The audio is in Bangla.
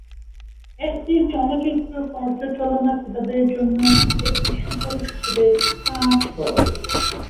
একটি চলচ্চিত্র পর্যালোচনা ক্রেতাদের জন্য একটি সুপারিশ হিসেবে কাজ করে।